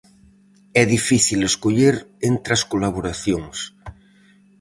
É difícil escoller entre as colaboracións.